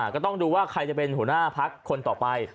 ก็ต้องดูว่าใครจะเป็นหัวหน้าพักคนต่อไป